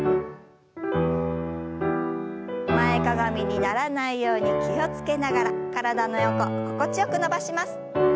前かがみにならないように気を付けながら体の横心地よく伸ばします。